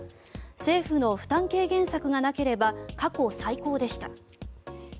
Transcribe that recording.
政府の負担軽減策がなければ過去最高でした。